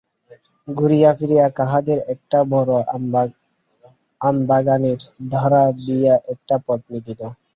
ঘুরিয়া ফিরিয়া কাহাদের একটা বড় আমবাগানের ধারা দিয়া একটা পথ মিলিল।